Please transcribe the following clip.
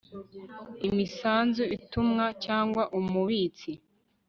imisanzu intumwa cyangwa umubitsi